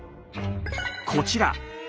こちら。